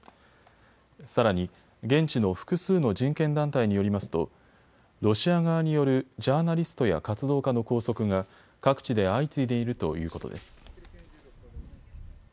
さらに現地の複数の人権団体によりますとロシア側によるジャーナリストや活動家の拘束が各地で相次いでいるということです。